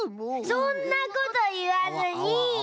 そんなこといわずに。